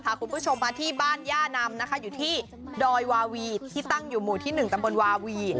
คุณผู้ชมมาที่บ้านย่านำนะคะอยู่ที่ดอยวาวีที่ตั้งอยู่หมู่ที่๑ตำบลวาวี